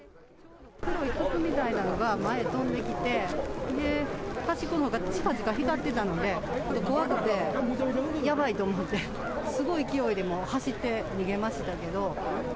黒い筒みたいなものが前飛んできて、端っこの方がちかちか光っていたんで、ちょっと怖くて、やばいと思ってすごい勢いでもう走って逃げましたけど。